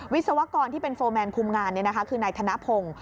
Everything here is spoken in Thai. วิศวกรที่เป็นโฟร์แมนคุมงานคือนายธนพงศ์